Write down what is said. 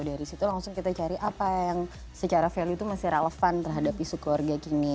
dari situ langsung kita cari apa yang secara value itu masih relevan terhadap isu keluarga kini